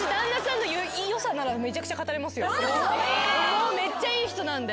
もうめっちゃいい人なんで。